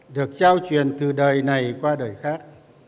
được trao truyền từ đời này qua đời khác